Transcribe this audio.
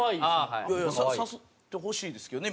いやいや誘ってほしいですけどね